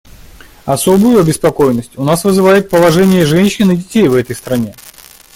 Особую обеспокоенность у нас вызывает положение женщин и детей в этой стране.